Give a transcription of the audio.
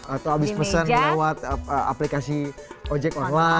atau habis pesan lewat aplikasi ojek online gitu misalnya